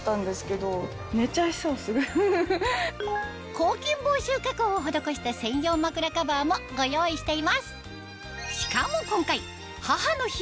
抗菌防臭加工を施した専用枕カバーもご用意しています